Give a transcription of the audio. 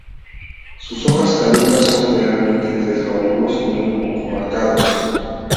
Sus hojas caducas son generalmente tres lóbulos, muy poco marcados.